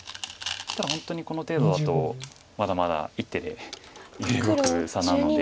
ただ本当にこの程度だとまだまだ１手で揺れ動く差なので。